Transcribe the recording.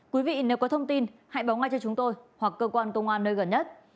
quý vị nếu có thông tin hãy báo ngay cho chúng tôi hoặc cơ quan công an nơi gần nhất